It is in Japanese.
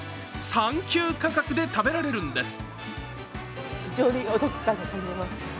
サンキュー価格で食べられるんです。